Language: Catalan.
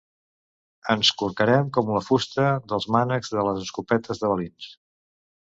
Ens corcarem com la fusta dels mànecs de les escopetes de balins.